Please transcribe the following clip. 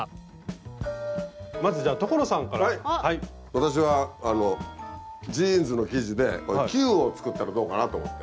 私はあのジーンズの生地で球を作ったらどうかなと思って。